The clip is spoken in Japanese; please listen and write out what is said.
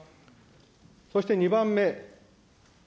そして２番目。